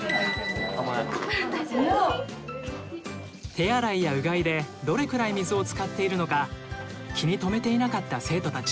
手洗いやうがいでどれくらい水を使っているのか気にとめていなかった生徒たち。